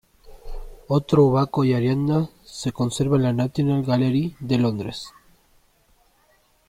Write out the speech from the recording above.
Otro "Baco y Ariadna" se conserva en la National Gallery de Londres.